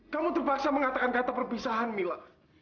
kamu terpaksa mengatakan kata perpisahan mila